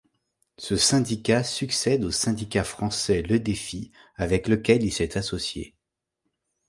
Ce syndicat succède au syndicat français Le Défi avec lequel il s'est associé.